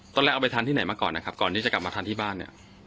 ตอนแรกเอาไปทานที่ไหนมาก่อนนะครับก่อนที่จะกลับมาทานที่บ้านเนี่ย